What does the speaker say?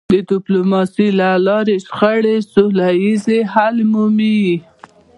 د ډيپلوماسی له لارې شخړې سوله ییز حل مومي.